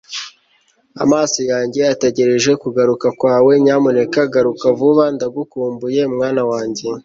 amaso yanjye ategereje kugaruka kwawe nyamuneka garuka vuba ndagukumbuye mwana wanjye